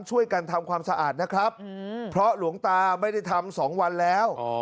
ช่วยกันทำความสะอาดนะครับเพราะหลวงตาไม่ได้ทำ๒วันแล้ว